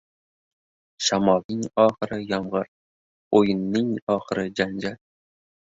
• Shamolning oxiri — yomg‘ir, o‘yinning oxiri — janjal.